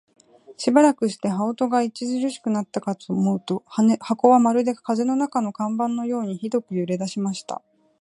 しばらくして、羽音が烈しくなったかと思うと、箱はまるで風の中の看板のようにひどく揺れだしました。